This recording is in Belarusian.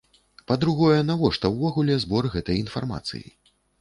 Па-другое, навошта ўвогуле збор гэтай інфармацыі?